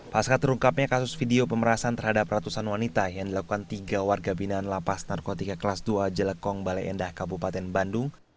pasca terungkapnya kasus video pemerasan terhadap ratusan wanita yang dilakukan tiga warga binaan lapas narkotika kelas dua jelekong balai endah kabupaten bandung